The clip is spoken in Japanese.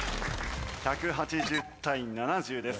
１８０対７０です。